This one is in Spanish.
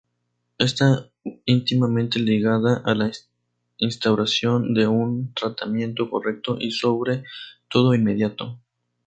Está íntimamente ligado a la instauración de un tratamiento correcto y sobre todo, inmediato.